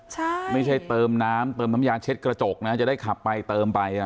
ใช่ไม่ใช่เติมน้ำเติมน้ำยาเช็ดกระจกนะจะได้ขับไปเติมไปอ่ะ